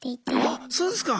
あっそうですか！